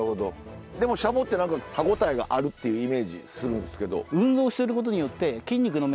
でもシャモって何か歯応えがあるっていうイメージするんですけど。